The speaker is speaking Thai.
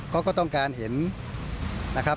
ก็ต้องการเห็นนะครับ